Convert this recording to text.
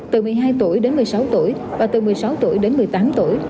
từ một mươi hai tuổi đến một mươi sáu tuổi và từ một mươi sáu tuổi đến một mươi tám tuổi